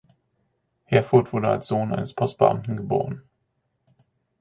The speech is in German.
Herfurth wurde als Sohn eines Postbeamten geboren.